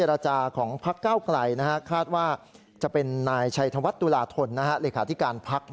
รองหัวหน้าพักรองหน้าพัก